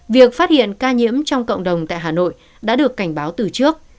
việc phát hiện ca nhiễm trong cộng đồng tại hà nội đã được cảnh báo từ trước